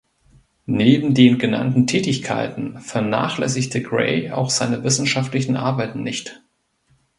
Neben den genannten Tätigkeiten vernachlässigte Gray auch seine wissenschaftlichen Arbeiten nicht.